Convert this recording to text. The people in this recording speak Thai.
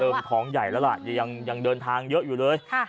เริ่มท้องใหญ่ละล่ะยังเดินทางเยอะอยู่เลย